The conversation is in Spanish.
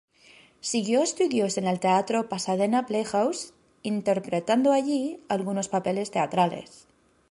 Siguió estudios en el Teatro Pasadena Playhouse, interpretando allí algunos papeles teatrales.